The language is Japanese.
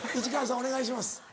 お願いします。